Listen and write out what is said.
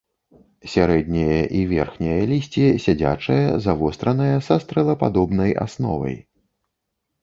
Сярэдняе і верхняе лісце сядзячае, завостранае, са стрэлападобнай асновай.